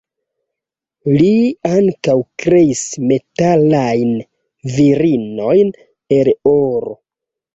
Li ankaŭ kreis metalajn virinojn el oro.